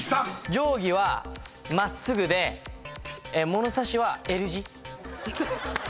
定規はまっすぐで物差しはＬ字。